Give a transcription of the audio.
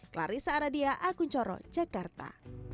clarissa aradia akun coro jakarta